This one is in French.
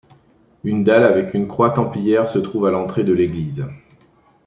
Une dalle avec une croix templière se trouve à l'entrée de l'église.